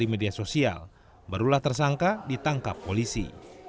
di media sosial barulah tersangka ditangkap polisi